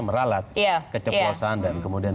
meralat keceplosan dan kemudian